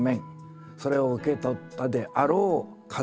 それを受け取ったであろう家族。